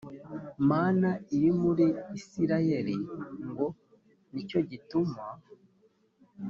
mana iri muri isirayeli ngo ni cyo gituma